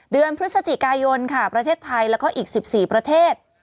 เดือนพฤศจิกายนค่ะประเทศไทยแล้วก็อีก๑๔ประเทศ